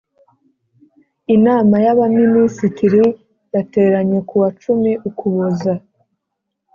Inama y Abaminisitiri yateranye kuwa cumi Ukuboza